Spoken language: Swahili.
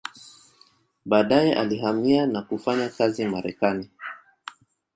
Baadaye alihamia na kufanya kazi Marekani.